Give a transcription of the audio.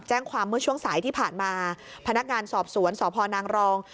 แจ้งความเมื่อช่วงสายที่ผ่านมาพนักงานสอบสวนสพนรอง